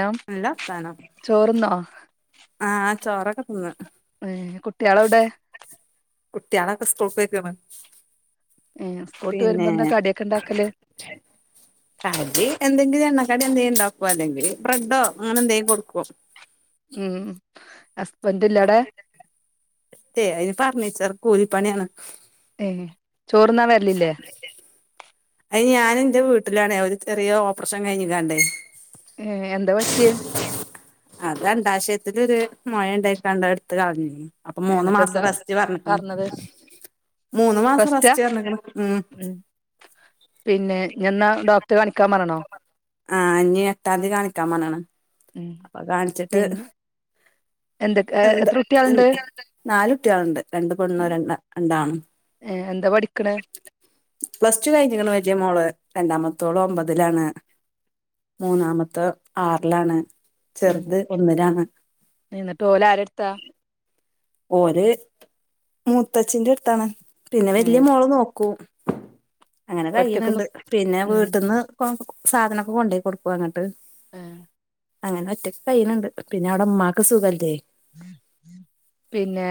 നം ചോർന്നോ. ആഹ ചോറൊക്കെ തിന്ന്. കുട്ട്യാളെവിടെ. കുട്ട്യാള്ളൊക്കെ സ്ക്കുൾക് പൊയ്ക്കണ്. ഏ സ്കൂൾട്ട് പിന്നെ വരുമ്പോ എന്താ കടിയൊക്കെ ഉണ്ടാക്കല് [unintelligible] അത് എന്തെങ്കിലും ണകടി എന്തെങ്കും ഉണ്ടാക്കും അല്ലെങ്കിൽ ബ്രെഡോ അങ്ങനെ എന്തെങ്കും കൊടുക്കും. ഉം. ഹസ്ബൻഡ് ഇല്ലടെ [unintelligible] അയ്ന് ഫർണിച്ചാർ കൂലിപ്പണിയാണ്. ഏ ചോറന്നാവരലില്ലേ. ഞാൻ എന്റെ വീട്ടിലാണെ ഒരു ചെറിയ ഓപ്പറേഷൻ കഴിഞ്ഞിക്കാണ്ടേ. ഏ എന്താ പറ്റിയ. അത് അണ്ടാശയത്തിലൊരു മൊഴണ്ടായിട്ട് കണ്ട് എടുത്ത് കളഞീനി. അപ്പൊ ഏ, മൂന്ന് എന്നിട്ട് മാസം എന്താ റസ്റ്റ് പറഞ്ഞിക്ക്ണ്. പറഞ്ഞത് മൂന്ന് മാസം റെസ്റ്റാ റസ്റ്റ് പറഞ്ക്ക്ണ് ഉം. പിന്നെ ഇനിയെന്നാ ഡോക്ടറെ കാണിക്കാൻ പറണോ. ആ ഞ് എട്ടാതീ കാണിക്കാൻ പറഞ്ഞക്ക്ണ് ഉം അപ്പൊ കാണിച്ചിട്ട്. പിന്നെ എന്തൊക്കെ. ഏ, എത്ര കുട്ടികളുണ്ട് [unintelligible] നാല്കുട്ട്യേളുണ്ട് രണ്ട് പെണ്ണും രണ്ട് രണ്ടാണ്ണും. ഏ എന്താ പഠിക്കണ് പ്ലസ്ടു കഴിഞ്ഞിക്ക്ണ് വല്യ മോള്. രണ്ടാമത്തോള് ഒമ്പതിലാണ് മൂന്നാമത്തെ ആറിലാണ്. ഉം ചെറുത് ഒന്ന്ലാണ്. എന്നിട്ട് ഓല് ആരെടുത്താ ഓര് മൂത്തച്ചിന്റെ അടുത്താണ് പിന്നെ ഉം വല്യ മോള് നോക്കും. അങ്ങനെ ഒറ്റക്ക് നി കയ്യണണ്ട് പിന്നെ ഉം വീട്ടിൽന്ന് കൊ സാധനൊക്കെ കൊണ്ടോയി കൊടുക്കും അങ്ങട്ട്. ഏഹ്. അങ്ങനെ ഒറ്റക് കയനിണ്ട് പിന്നെ അവടെ ഉമ്മാക്ക് സുഖല്ലേ. പിന്നെ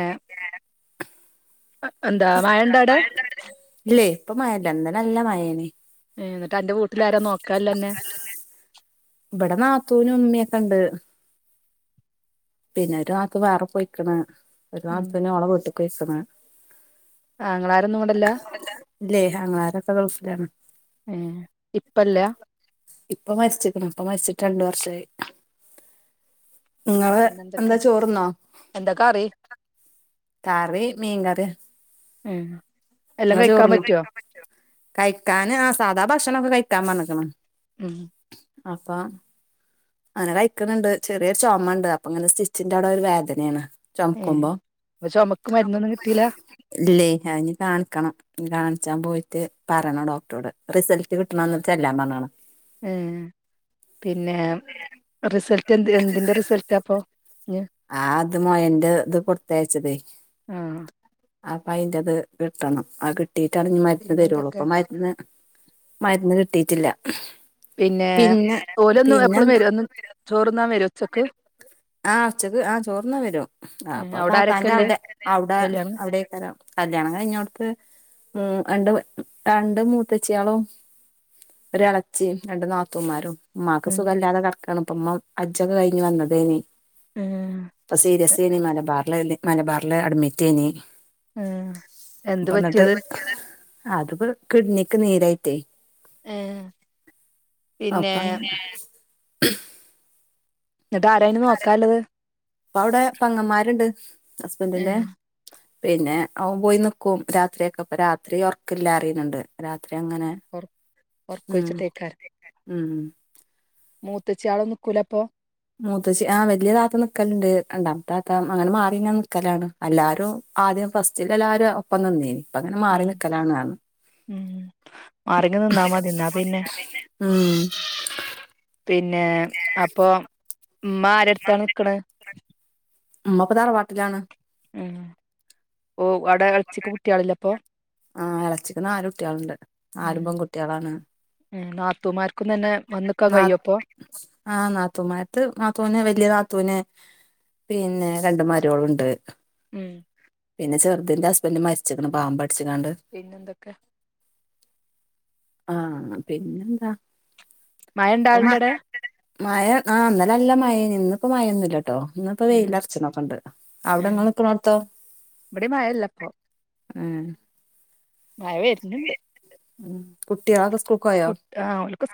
എന്താ മഴ ഇണ്ടാടെ [unintelligible] ഇല്ലേ ഇപ്പ മഴയില്ല ഇന്നലെ നല്ല മഴയാണ് ഏഹ് എന്നിട്ട് അൻ്റെ വീട്ടില ആരാ നോക്കാൻ ഉള്ളെ അന്നെ ഇവിടെ നാത്തൂനും ഉമ്മിയൊക്കെ ഉണ്ട് [unintelligible] വേറെ പോയേക്കണ് [unintelligible] അവൾടെ വീട്ടിൽ പോയേക്കണ് ആ നിങ്ങളാരും ഇന്നു ഇവിടെയില്ല ഇല്ലേ ആഹ് [unintelligible] ഏ ഇപ്പല്ല ഇപ്പൊ മരിച്ചിരിക്കണ് ഇപ്പ മരിച്ചിട്ട് രണ്ട് വർഷമായി നിങ്ങള് പിന്നെന്തൊക്കെ എന്താ ചോറ്ന്നോ എന്താ കറി കറി മീൻകറി ഉം എല്ലാം നിങ്ങൾ കഴിക്കാൻ ചോറിണ്ടോ പറ്റുവോ കഴിക്കാൻ ആ സാധാ ഭക്ഷണൊക്കെ കഴിക്കാൻ പറഞ്ഞേക്കണ് ഉം അപ്പ അങ്ങനെ കഴിക്കുന്നുണ്ട് ചെറിയൊരു ചുമ ഉണ്ട് അപ്പൊങ്ങനെ സ്റ്റിച്ചിന്റെ അവിടെ ഒരു വേദനയാണ് ഏഹ് ചുമക്കുമ്പോ അപ്പൊ ചുമക്ക് മരുന്നൊന്നും കിട്ടീല ഇല്ലേ അതിന് കാണിക്കണം കാ ച്ചാൻ പോയിട്ട് പറയണം ഡോക്ടറോട് റിസൾട്ട് കിട്ടണന്ന് ചെല്ലാൻ പറഞ്ഞതാണ് ആഹ് പിന്നെ റിസൾട്ട് എന്ത് എന്തിന്റെ റിസൾട്ടാപ്പൊ ആഹ് അത് മോയന്റെ ഇത് കൊടുത്തയച്ചതേ ആഹ് അപ്പ അയിന്റെത് കിട്ടണം ആ കിട്ടിയിട്ടാണ് ഇനി മരുന്ന് തരുള്ളു പിന്നെന്തൊക്കെ അപ്പ മരുന്ന് മരുന്ന് കിട്ടിയിട്ടില്ല പിന്നെ ഓലൊന്നും എപ്പഴും വരും ഒന്ന് ചോറുന്നാൻ വരുവോ ഉച്ചക്ക് ആഹ് ഉച്ചക്ക് ആഹ് ചോറ് ഉണ്ണാൻ വരും അപ്പൊ അവിടെ താത്താന്റെ ആരൊക്കെല്ലേ അവിടെ അവിടെ കല്യാണം അവിടെക്കരാം കല്യാണം കഴിഞ്ഞോടത്ത് ഉം രണ്ട് രണ്ട് മൂത്തേച്ചിയളും ഒരു ഇളച്ചി രണ്ടു നാത്തൂമാരും ഉമ്മാക്ക് ഉം സുഖല്ലാതെ കിടക്കാണ് ഇപ്പ ഉമ്മ ഹജ്ജക്കെ കഴിഞ്ഞ് വന്നതേന് ഉം ഇപ്പ സീരിയസേനി മലബാറില് മലബാറില് അഡ്മിറ്റ് ആനി ആഹ് എന്ത് പറ്റിയത് അതിപ്പോ കിഡ്നിക്ക് നീരായിട്ടേ ഏഹ് പിന്നെ അപ്പപിന്നേ എന്നിട്ട് ആരായിന് നോക്കാല്ലത് ഇപ്പ അവിടെ പെങ്ങന്മാരുണ്ട് ഹസ്ബൻ്റിന്റെ ഏഹ് പിന്നെ അവൻ പോയി നിക്കും രാത്രിയൊക്കെപ്പ രാത്രി ഉറക്കില്ല അറിയുന്നുണ്ട് രാ അപ്പങ്ങനെ ഒർ ഉം ഉം മൂത്താച്ചി ആളോ നിക്കൂലപ്പൊ മൂത്തേച്ചി ആഹ് വലിയ താത്ത നിക്കലുണ്ട് രണ്ടാമത്തെ താത്ത അങ്ങനെ മാറി ഇങ്ങന നിക്കലാണ് എല്ലാരും അ ആദ്യം ഫസ്റ്റിൽ എല്ലാവാരും ഒപ്പം നിന്ന് ഇപ്പ അങ്ങനെ മാറി ഉം നിൽക്കലാണ് ഉം മാറിയങ്ങ് നിന്നാ മതി എന്നാ പിന്നെ ഉം പിന്നെ അപ്പൊ ഉമ്മ ആരടുത്താണ് നിക്കണെ ഇതാണ് ഉം ഓ അവിടെ ഇളേച്ചിക്ക് കുട്ടികളില്ലേ അപ്പൊ ആഹ് ഇളച്ചിക് നാല് കുട്ടികളുണ്ട് ഉം നാലും പെൺകുട്ടികളാണ് നാത്തൂമാർക്കും തന്നെ വന്നിക്കാൻ നാ കഴിയും അപ്പൊ ആഹ് നാത്തൂമാർക്ക് നാത്തൂന് വലിയ നാ ത്തുന് പിന്നെ രണ്ട് മരുമകൾ ഉണ്ട് ഉം പിന്നെ ചെറുതിന്റെ ഹസ്ബന്റ് മരിച്ചേക്കണ് പാമ്പ് ക പിന്നെന്തൊക്കെ ആഹ് പിന്നെന്താ മഴയിണ്ടോ ഇപ്പൊ മ [unintelligible] മഴ ആഹ് ഇന്നലെ നല്ല മഴയായിനി ഇന്നിപ്പോ മഴയൊന്നുമില്ല കേട്ടോ ഇന്നിപ്പോ ഉം വെയില് [unintelligible] അവിടെ ഉം നിങ്ങൾ നിക്കണത്തോ ഇവിടെ മഴയില്ലപ്പൊ ആഹ് മഴ വരുന്നുണ്ട് കുട്ടിയാള്ക്കെ സ്ക് കു ഓൾക്ക്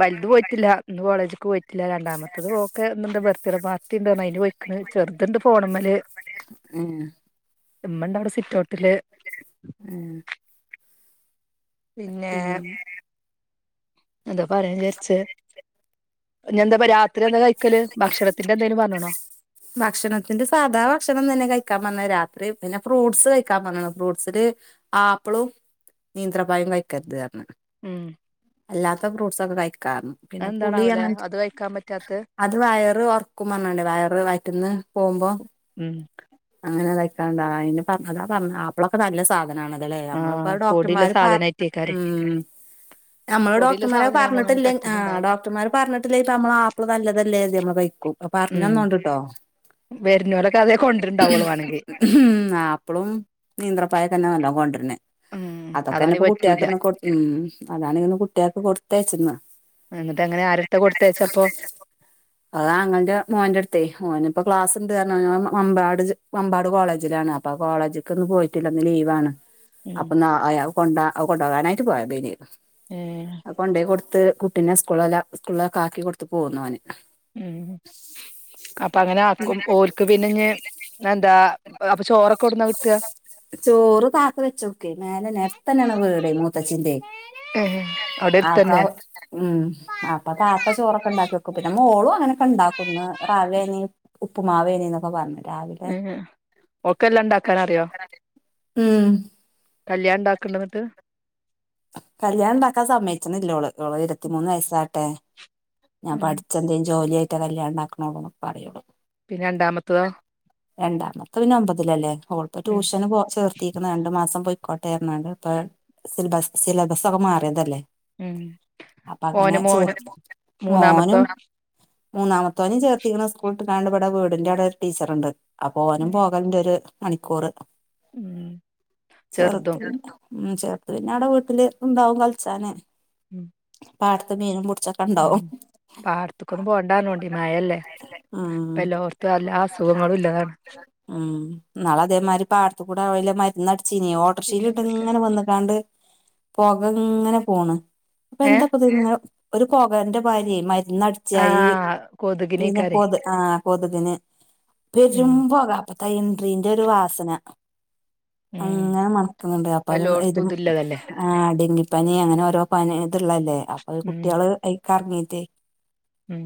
വലുത്പോയിട്ടില്ല ഇന്ന് കോളേജക്ക് പോയി ല് രണ്ടാമത്തത് ഓക്ക് എന്ത് ബർത്ത്ഡേ പാർട്ടി ഉണ്ടോ അതിന് പോയിക്കണ് ചെറുതുണ്ട് ഫോണമ്മല് ഹേ ഇമ്മണ്ട് അവിടെ സിറ്റൗട്ടില് ഏഹ് പിന്നെ എന്താ പറയ വിജാരിച്ചേ ഞെന്താ രാത്രി എന്താ കഴിക്കല് ഭക്ഷണത്തിന്റെ എന്തേിലും പറഞ്ഞണോ? ഭക്ഷണത്തിന്റെ സാധാ ഭക്ഷണം തന്നെ കഴിക്കാൻ പറഞ്ഞത് രാത്രി പിന്നെ ഫ്രൂട്ട്സ് കഴിക്കാൻ പറഞ്ഞണ് ഫ്രൂ്സില് ആപ്പളും നിയന്ത്രപായം കഴിക്കരുത് എന്ന് പറഞ്ഞണ് ഉം അല്ലാത്ത ഫ്രൂട്സ് ഒക്ക കഴിക്ക ക്കാ പിന്നെ പുളി അതെന്താണാവലെ അങ്ങതൊ അത് കഴിക്കാൻ പറ്റാത്ത അത് വയറ് ഒർക്കുപറഞ്ഞ ങ്ങാടവയർ ഇന്ന് പോകുമ്പോ ഉം അങ്ങനെതയ്ക്കാണ്ടാ അയ്ന് അതാ പറഞ്ഞ ആപ്പളൊക്കെ നല്ല സാധ അനാണതല്ലേ നമ്മളിപ്പോ ആഹ് പൊടിള്ള ഡോക്ടർമാര് പറ സാധനായിട്ടേക്കാരെ ഉ [inaudible] നമ്മള് പൊടിള്ള ഡോക്ടർമാരെ സാധനാവുമ്പോ പണി പറഞ്ഞിട്ടില്ല ആ പറ്റല്ണ്ടാവൂല ഡോക്ടർമാര് പറഞ്ഞിട്ടില്ലേ ഇപ്പ നമ്മള് ആപ്പിള് നല്ലതല്ലേ തി ഉം പറഞ്ഞന്നോണ്ട് ട്ടോ വരുന്നോലൊക്കെ അതേ കൊണ്ട്ണ്ടാവുള്ളു വാണെങ്കി ഉ അപ്പളും നീന്ത്രപ്പാഴം തന്നെ നല്ലോണം കൊണ്ടരന്നേ ആം അതൊക്കെ തന്നെ ഇപ്പൊ കുട്ടിയക്കന്ന കൊ ഉ അതാണ് ഇങ്ങന്ന് കുട്ടിയക്ക് കൊടുത്തേച്ചന്ന് എന്നിട്ട അങ്ങനെ ആരെടുത്ത കൊടുത്തയ് ചെ ഇപ്പോ? അതാങ്ങളുടെ മോന്റെ അടുത്ത ഓന്ഇപ്പോൊക്ലാസ്ണ്ട് മമ്പാട് മമ്പാട് കോളേജിലാണ് അപ്പൊ കോളേജക്ക് ഒന്ന് പോയിട്ടില്ലന്ന് ലീവാണ്. ഉം അപ്പൊ ന കൊ കൊണ്ടുപകാനായിട്ട് പോയതെനീ ഏഹ് അത് കൊണ്ട പോയി കൊടുത്ത് അത്ത് കുട്ടിനെ സ്കൂള സ്കൂളിലക്ക ആക്കി കൊടുത്തു പോന്ന് ഓന് ഉ അപ്പൊ അങ്ങനെ ആക്കും ഓര്ക്ക് പിന്നെഞ് എന്താ അപ്പൊ ചോറൊക്കെ എവ്ടുന്ന കിട്ടാ ചോറ് താത്ത വെച്ചോക്കെ മേലെ നരത്തനണ വീട മൂത്തച്ച്ചിന്റെറെ ഏഹ് അവിടെ ആക്ക അടുത്തന്നെ ഉം ആപ്പ താത്ത ചോറക്കെ ഉണ്ടാക്കി [inaudible] പിന്നെ മോളും അങ്ങനെയൊക്കെ ഉണ്ടാക്കുന്നു രാവനി ഉപ്പുമാവേനീന്നൊക്കെ പറഞ്ഞു രാവിലെ ഒക്കെല്ലാം ഉണ്ടാക്കാൻ അറിയോ? ഉം കല്യാണ ഉണ്ടാക്കണ്ടന്നിട്ട്‌ കല്യാണം ഉണ്ടാക്കാൻ സമ്മയച്ചന്നല്ലോള് ഇരുത്തിമൂന്ന് വയസാട്ടെ ഞാൻ ഉം പഠിച്ചെ എന്തേും ജോലിയായിട്ട്ത് കല്യാണം ഉണ്ടാക്കണ പറയുന്നു പിന്നെ രണ്ടാമത്തതോ? രണ്ടാമത്തെ പിന്നെ ഒമ്പതിലല്ലേ അവളപ്പോ ഉം ട്യൂഷന് പോ ചേർത്തിരിക്കുന്നു രണ്ടു മാസം പോയി കോട്ടയംനാണ്ട് ഇപ്പൊ സിലബസ് സിലബസ ഒക്കെ മാറിയതല്ലേ? ഉം അപ്പ അങ്ങനെ ഓന് ചോദ മോനും മൂന്നാമത്തോ മോനും [inaudible] മൂന്നാമത്തെവനും ചേർത്തിക്കുന്ന സ്കൂളാണ്ട് ഇവിടെ വീടിന്റെറെ അടെ ഒരു ടീച്ചറുണ്ട് അപ്പോ അവനും പോകലന്റെ ഒരു മണിക്കൂറ് ഉം ചെറുതും ഉ ചേർത് പിന്നെ അവിടെ വീട്ടില് ഇണ്ടാവും കളിച്ചാന് [unintelligible] പാടത്ത് മീനും പിടിച്ചൊക്കെ ഉ ഉണ്ടാവും പാടത്തക്കൊന്നും പോവണ്ടഎന്ന് പറയോൺടി മാഴല്ലേ? ഉം എല്ലോർത്തും എല്ലാ അസുഖങ്ങളും ഇല്ലതാണ് എന്നാള് അതേമാതിരി പാടത്തത്ത് കൂടെ ഓല് മരുന്ന് അടിച്ചിന ഓട്ടർക്ഷീൽ ഇട്ട പിന്നെന്തൊക്കെ ഇങ്ങനെ വന്ന കാണ്ട് പോക ഇങ്ങനെ പോണ് അപ്പൊ ഏ എന്തൊക്ക ഒരു പോകന്റെ ഭാര്യ മാ അടച്ചായി ആഹ് [inaudible] പിന്നെ കൊതുകിനേക്കാരെ കൊതു ആഹ ഉം കൊതുകിന്പേരും പോക ക [inaudible] ഒരു വാസന ഉം അങ്ങനെ മണക്കുന്നുണ്ട് അപ്പൊ അത് ഇപ്പെല്ലോട്ത്തും ഇതും ഇതില്ലതല്ലേ ആഹ ഡങ്കിപ്പനി അങ്ങനെ ഓരോ പനി ഇതള്ളല്ലേ അപ്പൊ ഉം കുട്ടികള് ആയില്ക്ക്റങ്ങീട്ടേ ഉം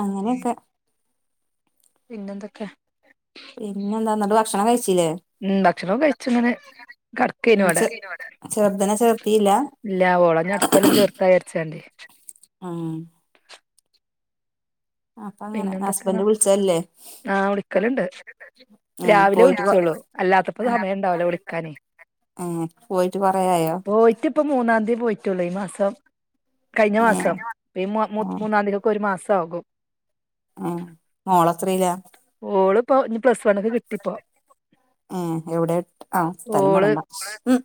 അങ്ങനെയൊക്കെ പിന്നെന്തൊക്കെ പിന്നെ എന്താന്നട്ട് ഭക്ഷണം കഴിച്ചില്ലേ ഉ ഭക്ഷണം കഴിച്ചങ്ങനെ ചെറുതിനെ ചേർത്തില്ലാ ഇല്ല ഓളെഞാ അടുത്ത കൊല്ലം ചേർത്താ ന്നു വിചാരിച്ചാണ്ട് ഉം അപ്പ അങ്ങനെ പിന്നെ എന്തൊക്കെയാണ് ഹസ്ബന്റ് വിളിച്ചല്ലേ വിളിക്കലുണ്ട് ഏ രാവിലെ പോയിട്ട് കൊ വിളിച്ചോളു അല്ലാത്തപ്പോ സമയം ഉണ്ടാവല്ലോ വിളിക്കാന് ഏ പോയിട്ട് കൊറേയായോ പോയിട്ട് ഇപ്പ മൂന്നാംതിയതി പോയിട്ടുള്ളൂ ഈ മാസം കഴിഞ്ഞ ഏ മാസംഈ ആ മൂന്നാംതി ആകുമ്പം ഒരു മാസംആകും ആ മോളത്രീയിലാ ഒളിപ്പോ ആ എവിടെ ആ സ്ഥലം ഓള് പറയണ്ട ഉം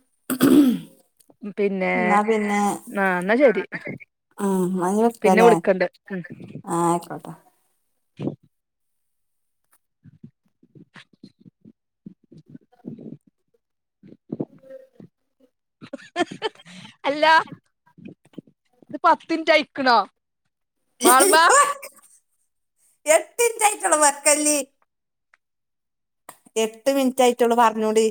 പിന്നെ എന്നാ പിന്നെ ആ എന്നാ ശരി [inaudible] പിന്നെ അല്ലേ വിളിക്കണ്ട് ഉം ആഹ ആയിക്കോട്ടോ [unintelligible] [unintelligible] ഉം അല്ല പത്തിന്റ് ആയിക്കണോ മാളുമ്മാ എട്ട് മിനിറ്റ് ആയിട്ടുള്ളൂ വക്കല്ലി എട്ട് മിനിറ്റ് ആയിട്ടോള്ളൂ പറഞ്ഞൂടി